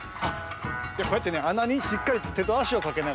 こうやってねあなにしっかりとてとあしをかけながらね